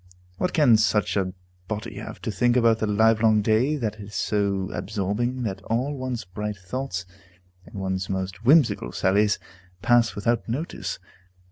What can such a body have to think about the livelong day that is so absorbing that all one's bright thoughts, and one's most whimsical sallies, pass without notice?